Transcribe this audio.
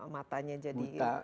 matanya jadi buta